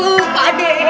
aduh pak d